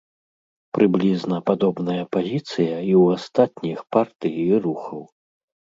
Прыблізна падобная пазіцыя і ў астатніх партый і рухаў.